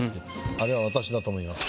あれは私だと思います。